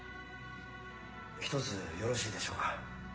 １つよろしいでしょうか。